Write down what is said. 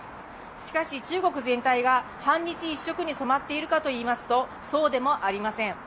しかし中国全体が反日一色に染まっているかといいますとそうでもありません。